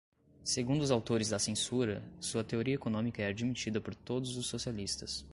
segundo os autores da censura, sua teoria econômica é admitida por todos os socialistas